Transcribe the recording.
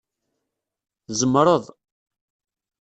Tzemreḍ.